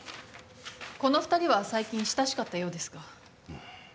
この２人は最近親しかったようですが。